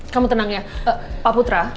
kamu tenang ya pak putra